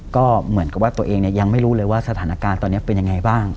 ก็เหมือนกับว่าตัวเองยังไม่รู้เลยว่าสถานการณ์ตอนนี้เป็นยังไงบ้าง